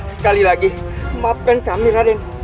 sekali lagi maafkan kami raden